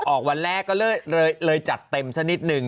ออกวันแรกก็เลยจัดเต็มสักนิดนึง